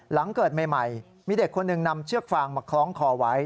หลังเกิดใหม่มีเด็กคนหนึ่งนำเชือกฟางมาคล้องคอไว้